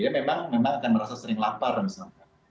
jadi memang akan merasa sering lapar misalkan